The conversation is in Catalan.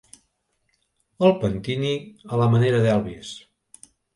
El pentini a la manera d'Elvis.